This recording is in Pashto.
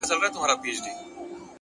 اورونه دې دستي! ستا په لمن کي جانانه!